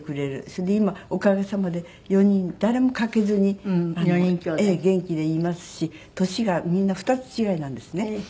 それで今おかげさまで４人誰も欠けずに元気でいますし年がみんな２つ違いなんですね。